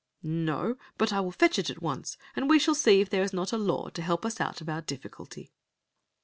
"No; but I will fetch it at once, and we shall see if there is not a law to help us out of our difficulty."